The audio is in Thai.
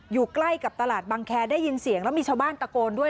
อยู่ใกล้กับตลาดบังแคร์ได้ยินเสียงแล้วมีชาวบ้านตะโกนด้วย